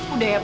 udah ya pak